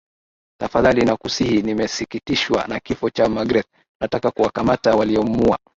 Tafadhali nakusihi nimesikitishwa na kifo cha Magreth nataka kuwakamata waliomuua